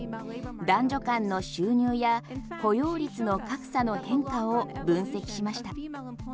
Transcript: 男女間の収入や雇用率の格差の変化を分析しました。